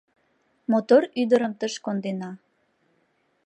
Мотор ӱдырым тыш кондена.